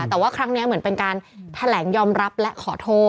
แต่ว่าครั้งนี้เหมือนเป็นการแถลงยอมรับและขอโทษ